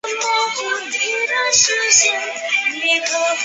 穆拉德二世。